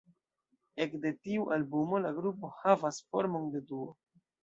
Ekde tiu albumo la grupo havas formon de duo.